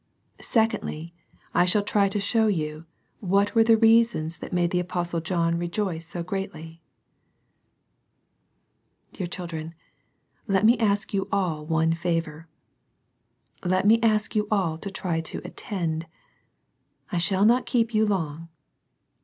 Secondly, I shall try to show you " what were the reasons that made the Apostle John rejoice so greatlyT Dear children, let me ask you all one favour, — let me ask you all to try to attend. I shall not keep you long.